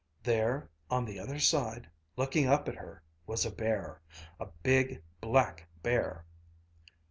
"There on the other side, looking up at her, was a bear a big black bear."